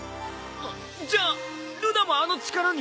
じゃあルナもあの力に。